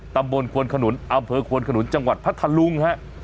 ตำบลควนขนุนอำเภอควนขนุนจังหวัดพัทธลุงฮะ